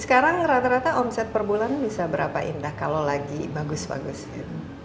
sekarang rata rata omset per bulan bisa berapa indah kalau lagi bagus bagusnya